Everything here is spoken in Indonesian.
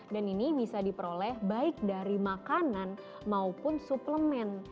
dan ini bisa diperoleh baik dari makanan maupun suplemen